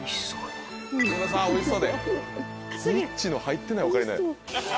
スイッチの入ってないオカリナ。